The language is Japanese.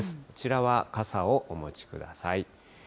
こちらは傘をお持ちください。